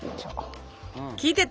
聞いてた？